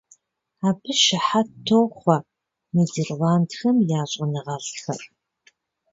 Абы щыхьэт тохъуэ Нидерландхэм я щӀэныгъэлӀхэр.